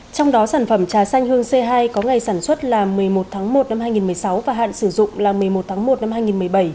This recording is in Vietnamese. trong đó sản phẩm trà xanh hương c hai có ngày sản xuất là một mươi một tháng một năm hai nghìn một mươi sáu và hạn sử dụng là một mươi một tháng một năm hai nghìn một mươi bảy